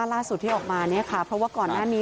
ล่าสุดที่ออกมาเนี่ยค่ะเพราะว่าก่อนหน้านี้